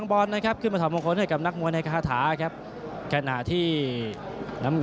จบยกไหนต้องติดตามวิทยามา